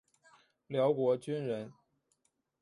辽国军人。